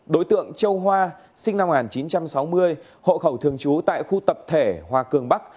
đối tượng châu hoa sinh năm một nghìn chín trăm sáu mươi hộ khẩu thường trú tại khu tập thể hòa cường bắc